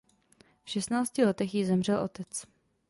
V šestnácti letech jí zemřel otec.